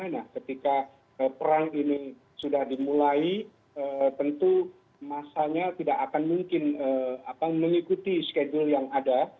nah ketika perang ini sudah dimulai tentu masanya tidak akan mungkin mengikuti schedule yang ada